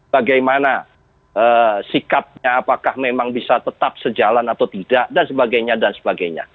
bagaimana sikapnya apakah memang bisa tetap sejalan atau tidak dan sebagainya dan sebagainya